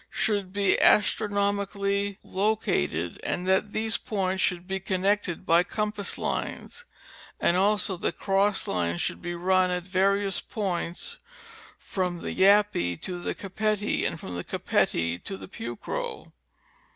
should be astronomically lo A Trip to Panama and Darien. 309 cated, that these points should be connected by compass lines, and also that cross lines should be run at various points from the Yape to the Capite and from the Capite to the Pucro.